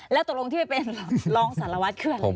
แล้วตกลงที่ไปเป็นรองสารวัตรคืออะไร